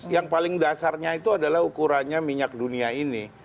yang paling dasarnya itu adalah ukurannya minyak dunia ini